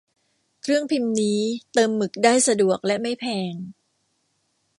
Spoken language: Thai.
เครื่องพิมพ์นี้เติมหมึกได้สะดวกและไม่แพง